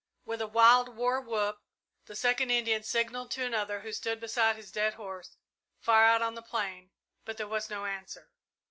With a wild war whoop the second Indian signalled to another who stood beside his dead horse, far out on the plain, but there was no answer.